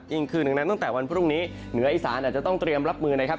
คืนดังนั้นตั้งแต่วันพรุ่งนี้เหนืออีสานอาจจะต้องเตรียมรับมือนะครับ